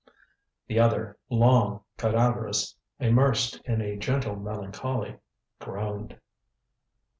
The other long, cadaverous, immersed in a gentle melancholy groaned.